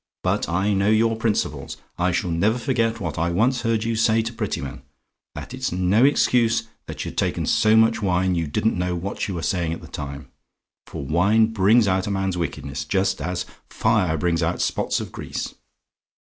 But I know your principles. I shall never forget what I once heard you say to Prettyman: and it's no excuse that you'd taken so much wine you didn't know what you were saying at the time; for wine brings out man's wickedness, just as fire brings out spots of grease.